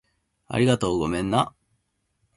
ありがとう。ごめんな